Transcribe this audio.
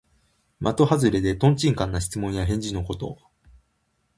まとはずれで、とんちんかんな質問や返事のこと。